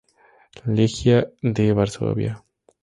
Legia de Varsovia